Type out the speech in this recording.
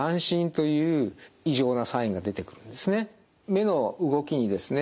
目の動きにですね